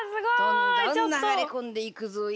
どんどん流れ込んでいくぞい。